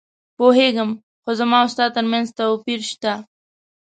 پوهېږم، خو زما او ستا ترمنځ توپیر شته.